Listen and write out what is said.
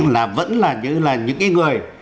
là vẫn là những cái người